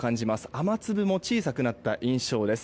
雨粒も小さくなった印象です。